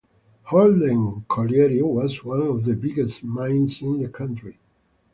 Horden Colliery was one of the biggest mines in the country.